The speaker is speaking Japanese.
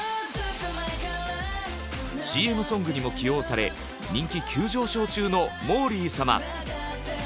ＣＭソングにも起用され人気急上昇中のもーりー様。